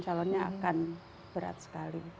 calonnya akan berat sekali